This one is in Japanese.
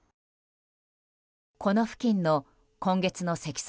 この付近の今月の積算